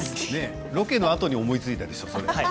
ロケのあとに思いついたでしょう？